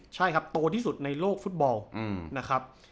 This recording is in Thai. ใช่ครับโตที่สุดในโลกฟุตบอลนะครับ